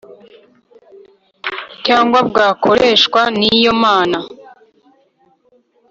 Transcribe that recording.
cyangwa bwakoreshwa n iyo mana